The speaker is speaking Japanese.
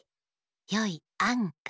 よい「あん」が「かけ」